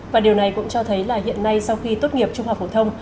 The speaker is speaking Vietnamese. và điều này cũng cho thấy là hiện nay sau khi tốt nghiệp trung học phổ thông